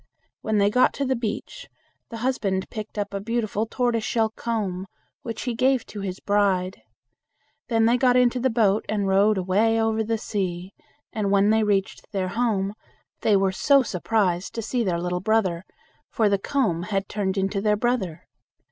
When they got to the beach, the husband picked up a beautiful tortoise shell comb, which he gave to his bride. Then they got into his boat and rowed away over the sea, and when they reached their home, they were so surprised to see their little brother, for the comb had turned into their brother.